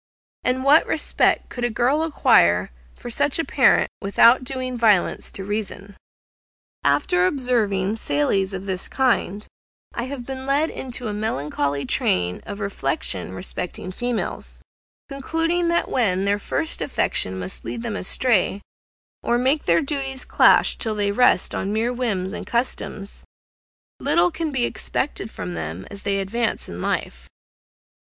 And what respect could a girl acquire for such a parent, without doing violence to reason?) After observing sallies of this kind, I have been led into a melancholy train of reflection respecting females, concluding that when their first affection must lead them astray, or make their duties clash till they rest on mere whims and customs, little can be expected from them as they advance in life.